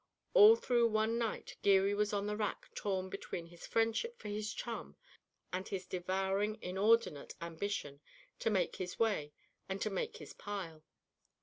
All through one night Geary was on the rack torn between his friendship for his chum and his devouring, inordinate ambition to make his way and to make his pile.